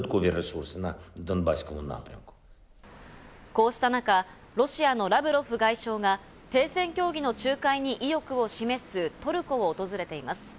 こうした中、ロシアのラブロフ外相が停戦協議の仲介に意欲を示すトルコを訪れています。